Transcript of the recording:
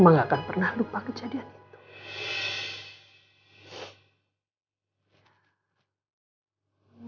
oma tidak akan pernah lupa kejadian itu